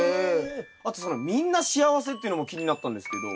あとその「みんな幸せ」っていうのも気になったんですけど。